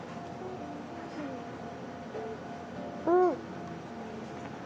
うん。